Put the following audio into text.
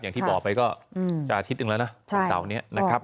อย่างที่บอกไปก็อืมจะอาทิตย์ตึงแล้วนะใช่อันเส้านี้นะครับ